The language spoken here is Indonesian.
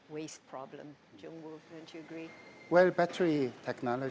saya percaya ini lebih dari berjalan